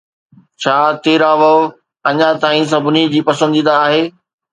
ڇا تيرا وو اڃا تائين سڀني جي پسنديده آهي؟